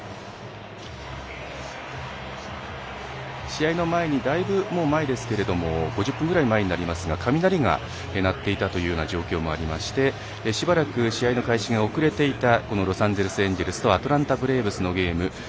試合の前に、５０分ほど前ですが雷が鳴っていたという状況がありましてしばらく試合の開始が遅れていたロサンゼルス・エンジェルスとアトランタ・ブレーブスのゲーム。